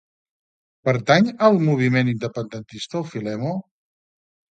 Pertany al moviment independentista el Filemo?